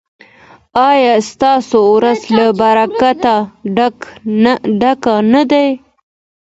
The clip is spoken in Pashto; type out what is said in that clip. ایا ستاسو ورځ له برکته ډکه نه ده؟